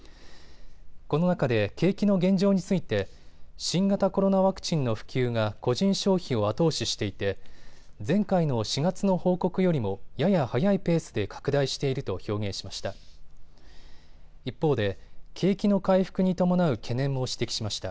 この中で景気の現状について新型コロナワクチンの普及が個人消費を後押ししていて前回の４月の報告よりもやや速いペースで拡大していると表現しました。